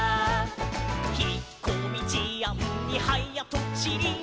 「ひっこみじあんにはやとちり」